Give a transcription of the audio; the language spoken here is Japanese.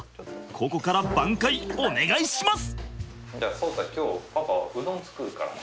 ここから挽回お願いします！